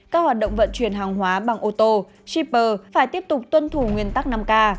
các hoạt động vận chuyển hàng hóa bằng ô tô shipper phải tiếp tục tuân thủ nguyên tắc năm k